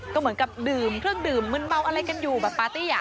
ก็เหมือนกับดื่มเครื่องดื่มมืนเมาอะไรกันอยู่แบบปาร์ตี้